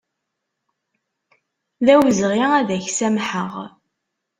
D awezɣi ad ak-samḥeɣ.